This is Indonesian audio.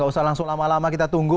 gak usah langsung lama lama kita tunggu